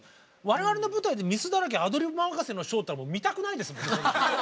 我々の舞台で「ミスだらけアドリブ任せのＳｈｏｗ」っていったらもう見たくないですもんね。